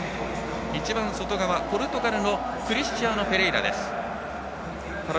一番外側、ポルトガルのクリスチアノ・ペレイラ。